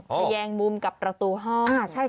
แยงมุมกับประตูห้อง